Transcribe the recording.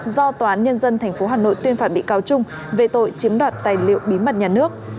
do tòa án nhân dân tp hà nội tuyên phạt bị cáo trung về tội chiếm đoạt tài liệu bí mật nhà nước